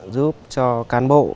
giúp cho cán bộ